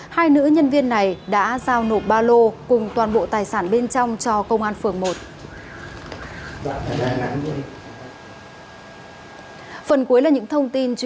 hai nữ nhân viên này đã giao nộp ba lô cùng toàn bộ tài sản bên trong cho công an phường một